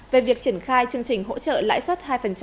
về việc triển khai chương trình hỗ trợ lãi suất hai